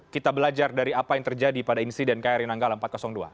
kita belajar dari apa yang terjadi pada insiden kri nanggala empat ratus dua